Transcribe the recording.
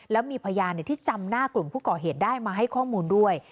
แล้วมีพยานที่จำหน้ากลุ่มผู้ก่อเหตุได้มาให้ข้อมูลด้วย